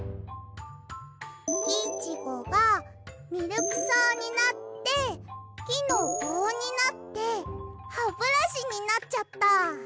キイチゴがミルクそうになってきのぼうになってハブラシになっちゃった。